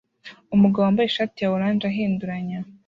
Umugabo wambaye ishati ya orange ahinduranya